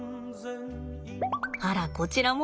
あらこちらも。